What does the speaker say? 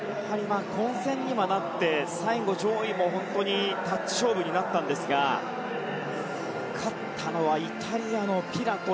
混戦になって最後、上位もタッチ勝負になったんですが勝ったのはイタリアのピラト。